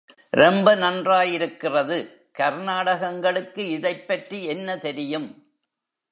ரொம்ப நன்யிறாருக்கிறது...... கர்னாடகங்களுக்கு இதைப்பற்றி என்ன தெரியும்?